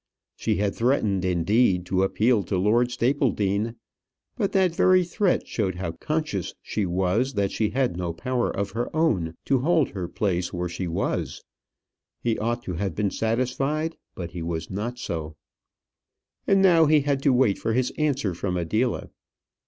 She had threatened, indeed, to appeal to Lord Stapledean; but that very threat showed how conscious she was that she had no power of her own to hold her place where she was. He ought to have been satisfied; but he was not so. And now he had to wait for his answer from Adela.